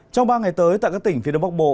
trong ba ngày tới tại các tỉnh phía đông bắc bộ